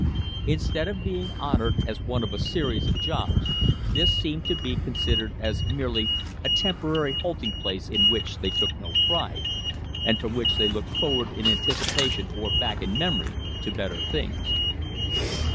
Instead of being honored as one of a series of jobs, this seemed to be considered as merely a temporary halting place in which they took no pride, and from which they looked forward in anticipation or back in memory to better things.